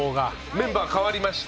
メンバー変わりました。